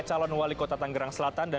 calon wali kota tanggerang selatan dan